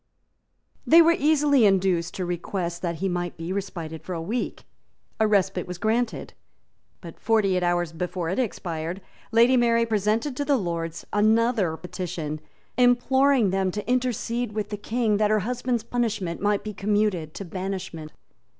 They were easily induced to request that he might be respited for a week. A respite was granted; but, forty eight hours before it expired, Lady Mary presented to the Lords another petition, imploring them to intercede with the King that her husband's punishment might be commuted to banishment.